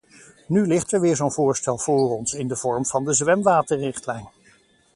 Nu ligt er weer zo’n voorstel voor ons in de vorm van de zwemwaterrichtlijn.